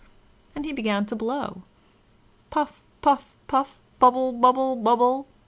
And he began to blow, "Puff, puff, puff! Bubble, bubble, bubble!"